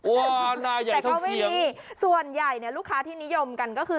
ว้าวหน้าใหญ่เท่าเคียงแต่เขาไม่มีส่วนใหญ่ลูกค้าที่นิยมกันก็คือ